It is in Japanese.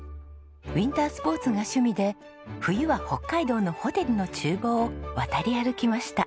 ウィンタースポーツが趣味で冬は北海道のホテルの厨房を渡り歩きました。